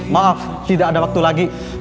maaf tidak ada waktu lagi